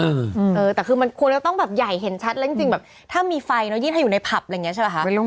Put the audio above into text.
เออแต่คือมันควรจะต้องแบบใหญ่เห็นชัดแล้วจริงแบบถ้ามีไฟเนอะยิ่งถ้าอยู่ในผับอะไรอย่างนี้ใช่ป่ะคะ